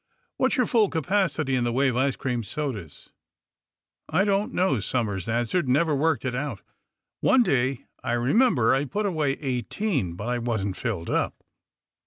''Wliat's your full capacity in tlie way of ice cream sodas I" ''I don't know," Somers answered. ''Never worked it out. One day, I remember, I put away eighteen, but I wasn't filled up."